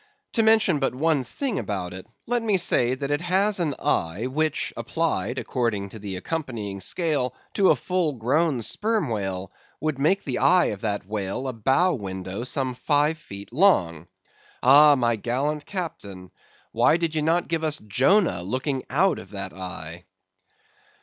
To mention but one thing about it, let me say that it has an eye which applied, according to the accompanying scale, to a full grown sperm whale, would make the eye of that whale a bow window some five feet long. Ah, my gallant captain, why did ye not give us Jonah looking out of that eye!